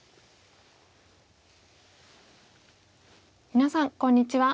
皆さんこんにちは。